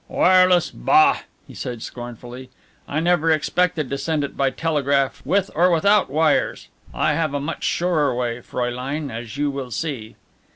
"Wireless, bah!" he said scornfully. "I never expected to send it by telegraph with or without wires. I have a much surer way, fräulein, as you will see."